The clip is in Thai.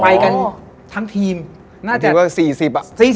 ไปกันทั้งทีมน่าจะ๔๐อ่ะ